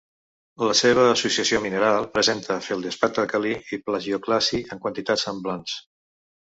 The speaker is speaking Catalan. La seva associació mineral presenta feldespat alcalí i plagiòclasi en quantitats semblants.